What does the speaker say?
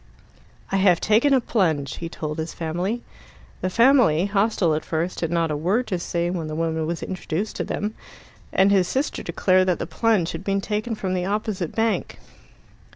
"I have taken a plunge," he told his family. The family, hostile at first, had not a word to say when the woman was introduced to them; and his sister declared that the plunge had been taken from the opposite bank.